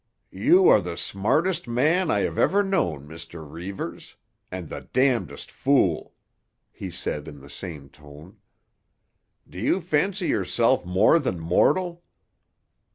"You are the smartest man I have ever known, Mr. Reivers, and the domdest fool," he said in the same tone. "Do you fancy yourself more than mortal?